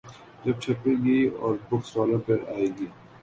جب چھپے گی اور بک سٹالوں پہ آئے گی۔